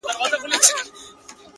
کلونه کيږي چي هغه پر دې کوڅې نه راځي؛